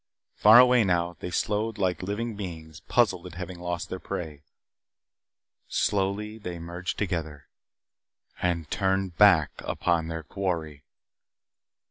Far away now, they slowed like living things, puzzled at having lost their prey. Slowed they merged together And turned back upon their quarry!